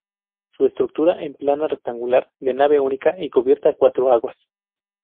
Se estructura en planta rectangular de nave única y cubierta a cuatro aguas.